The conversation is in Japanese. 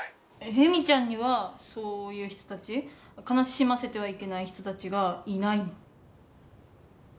ヘミちゃんにはそういう人たち悲しませてはいけない人たちがいないの？